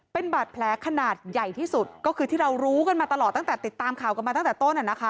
เป็นบาดแผลขนาดใหญ่ที่สุดก็คือที่เรารู้กันมาตลอดตั้งแต่ติดตามข่าวกันมาตั้งแต่ต้น